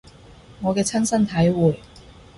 我嘅親身體會